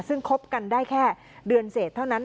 ซึ่งคบกันได้แค่เดือนเสร็จเท่านั้น